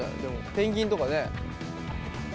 ペンギンとかね。